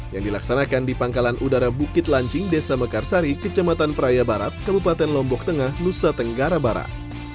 yang dilaksanakan di pangkalan udara bukit lancing desa mekarsari kecamatan praia barat kabupaten lombok tengah nusa tenggara barat